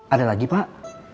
ada lagi pak